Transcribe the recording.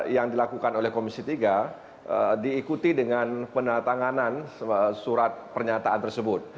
yang dilakukan oleh komisi tiga diikuti dengan penatanganan surat pernyataan tersebut